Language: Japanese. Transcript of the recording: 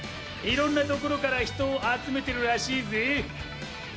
いろんなところから人を集めてるらしいぜ。